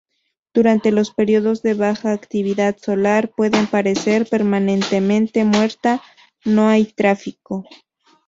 Durante los períodos de baja actividad solar, puede parecer permanentemente muerta, no hay tráfico.